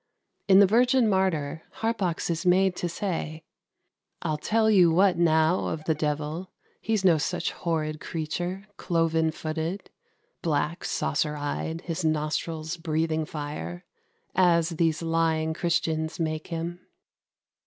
In "The Virgin Martyr," Harpax is made to say "I'll tell you what now of the devil; He's no such horrid creature, cloven footed, Black, saucer eyed, his nostrils breathing fire, As these lying Christians make him."